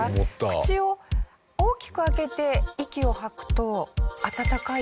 口を大きく開けて息を吐くと温かいですが。